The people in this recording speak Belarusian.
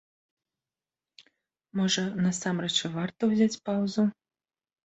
Можа, насамрэч і варта ўзяць паўзу?